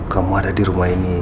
kamu ada di rumah ini